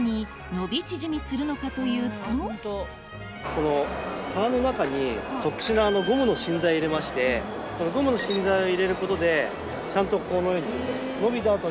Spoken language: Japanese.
この革の中に特殊なゴムの芯材入れましてこのゴムの芯材を入れることでちゃんとこのように。